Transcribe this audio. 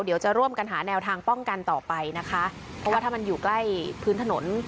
เดี๋ยวจะร่วมกันหาแนวทางป้องกันต่อไปนะคะเพราะว่าถ้ามันอยู่ใกล้พื้นถนน